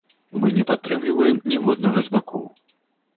Мы не падтрымліваем ніводнага з бакоў.